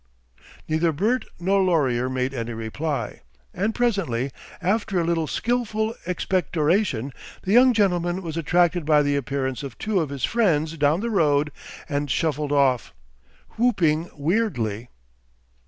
Neither Bert nor Laurier made any reply, and presently, after a little skilful expectoration, the young gentleman was attracted by the appearance of two of his friends down the road and shuffled off, whooping weirdly....